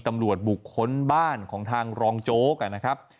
ตำรวจบุกค้นบ้านของทางรองโจ๊กนะครับ